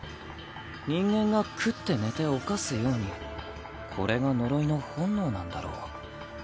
人間が食って寝て犯すようにこれが呪いの本能なんだろう。